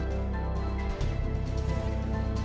kita lanjut ketemu lagi